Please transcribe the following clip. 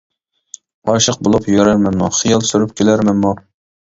ئاشىق بولۇپ يۈرەرمەنمۇ، خىيال سۈرۈپ كۈلەرمەنمۇ.